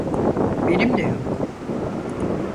Benim de yok.